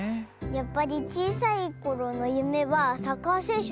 やっぱりちいさいころのゆめはサッカーせんしゅでしたか？